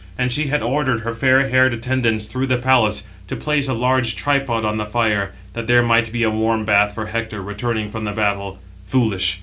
716 And she had ordered her fair haired attendants through the palace, to place a large tripod on the fire, that there might be a warm bath for Hector, returning from the battle. Foolish!